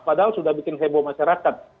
padahal sudah bikin heboh masyarakat